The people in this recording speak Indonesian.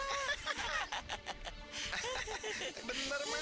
hahaha benar mak